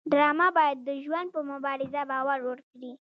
ډرامه باید د ژوند په مبارزه باور ورکړي